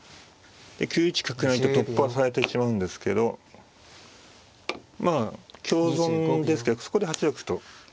９一角成と突破されてしまうんですけどまあ香損ですけどそこで８六歩と。